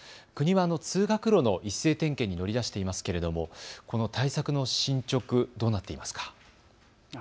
国は通学路の一斉点検に乗り出していますけれどもこの対策の進捗、どうなっていますか。